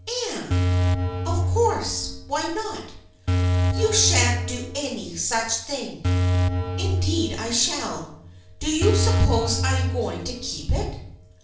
" Anne !"" Of course. Why not ?"" You shan't do any such thing." " Indeed I shall. Do you suppose 1 am going to keep it